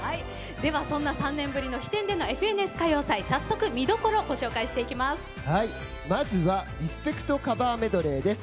では、そんな３年ぶりの飛天での「ＦＮＳ歌謡祭」早速見どころをご紹介していきます。